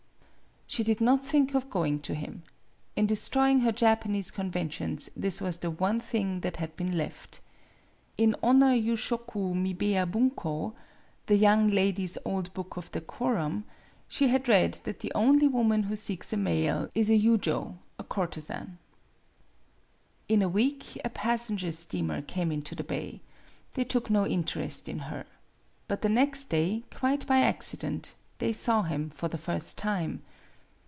She did not think of going to him. In destroying her Japanese conventions this was the one thing that had been left. In "Onna Yushoku Mibea Bunko" ("The Young Ladies' Old Book of Decorum ") she had read that the only woman who seeks a male is a yujo, a courtezan. IN a week a passenger steamer came into the bay. They took no interest in her. But the next day, quite by accident, they saw him for the first time.